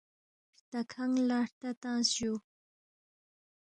ہرتا کھنگ لہ ہرتا تنگس جُو